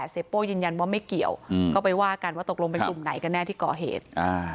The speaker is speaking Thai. เสียโป้ยืนยันว่าไม่เกี่ยวก็ไปว่ากันว่าตกลงเป็นกลุ่มไหนกันแน่ที่ก่อเหตุ